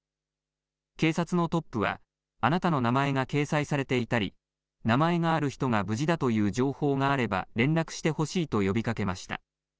警察のトップは、あなたの名前が掲載されていたり、名前がある人が無事だという情報があれば連絡してほしいと呼びかけました。